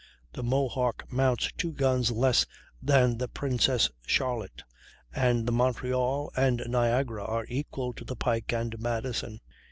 The Mohawk mounts two guns less than the Princess Charlotte, and the Montreal and Niagara are equal to the Pike and Madison."